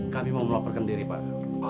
kami mau melaporkan diri pak